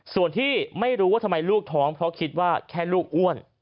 ส่วนที่ไม่รู้ว่าทำไมลูกท้องเพราะคิดว่าแค่ลูกอ้วน